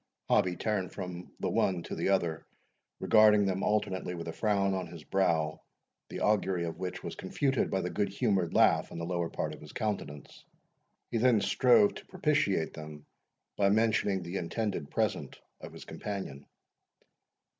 Hobbie turned from the one to the other, regarding them alternately with a frown on his brow, the augury of which was confuted by the good humoured laugh on the lower part of his countenance. He then strove to propitiate them, by mentioning the intended present of his companion.